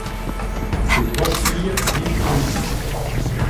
Ses trois filles vivent au Mans.